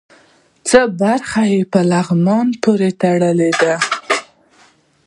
څه برخې یې په لغمان پورې تړلې وې.